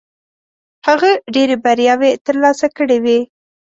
هغه ډېرې بریاوې ترلاسه کړې وې.